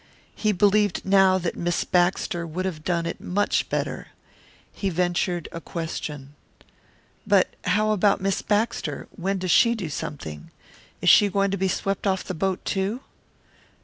He believed now that Miss Baxter would have done it much better. He ventured a question. "But how about Miss Baxter when does she do something? Is she going to be swept off the boat, too?"